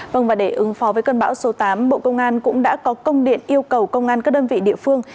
vâng và để ứng phó với cơn bão số tám bộ công an cũng đã có công điện yêu cầu công an các đơn vị địa phương